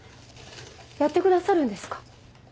やってくださるんですか？